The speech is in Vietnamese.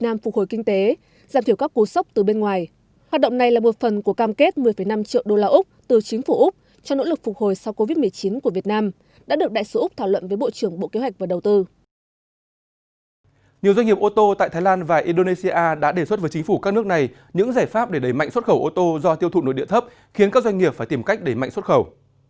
nhiều doanh nghiệp ô tô tại thái lan và indonesia đã đề xuất với chính phủ các nước này những giải pháp để đẩy mạnh xuất khẩu ô tô do tiêu thụ nội địa thấp khiến các doanh nghiệp phải tìm cách đẩy mạnh xuất khẩu